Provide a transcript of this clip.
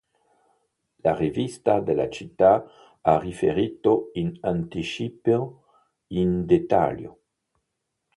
La rivista della città ha riferito in anticipo in dettaglio.